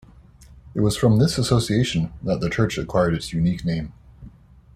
It was from this association that the church acquired its unique name.